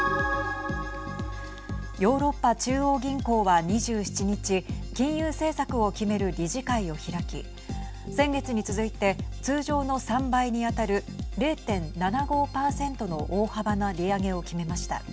ヨーロッパ中央銀行は２７日金融政策を決める理事会を開き先月に続いて通常の３倍に当たる０．７５％の大幅な利上げを決めました。